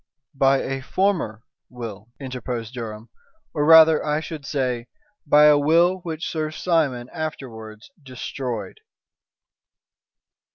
"By a former will," interposed Durham, "or, rather, I should say, by a will which Sir Simon afterwards destroyed."